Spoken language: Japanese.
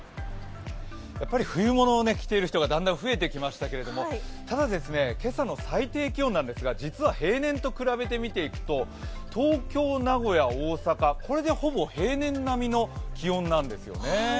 冬物を着ている人が、だんだん増えてきましたけど、ただ、今朝の最低気温なんですが実は平年と比べて見ていくと東京、名古屋、大阪これでほぼ平年並みの気温なんですよね。